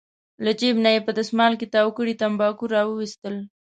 له جېب نه یې په دستمال کې تاو کړي تنباکو راوویستل.